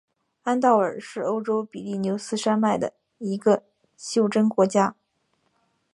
安道尔是欧洲比利牛斯山脉中的一个袖珍国家。